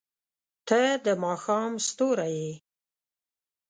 • ته د ماښام ستوری یې.